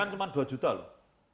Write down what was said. jadi yang jelas ini terus nih